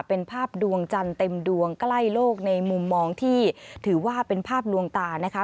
เป็นภาพดวงจันทร์เต็มดวงใกล้โลกในมุมมองที่ถือว่าเป็นภาพดวงตานะคะ